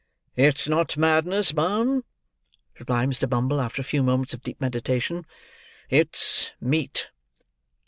"It's not Madness, ma'am," replied Mr. Bumble, after a few moments of deep meditation. "It's Meat."